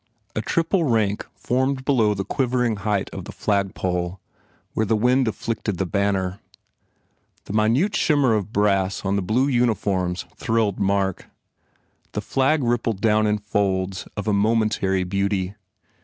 A triple rank formed below the quivering height of the flagpole where the wind afflicted the banner. The minute shimmer of brass on the blue uniforms thrilled Mark. The flag rippled down in folds of a momentary beauty.